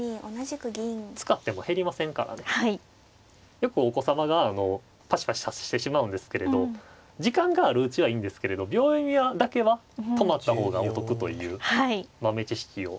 よくお子様がパシパシ指してしまうんですけれど時間があるうちはいいんですけれど秒読みだけは止まった方がお得という豆知識を。